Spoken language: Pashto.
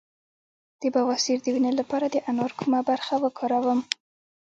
د بواسیر د وینې لپاره د انار کومه برخه وکاروم؟